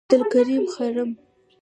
عبدالکریم خرم،